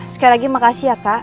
sekali lagi makasih ya kak